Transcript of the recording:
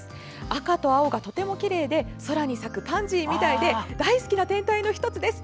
赤と青がとてもきれいで宙に咲くパンジーみたいで大好きな天体の１つです。